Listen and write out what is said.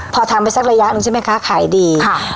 พอทำไปสักระยะหนึ่งใช่ไหมคะขายดีค่ะ